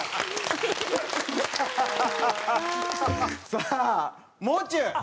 さあもう中。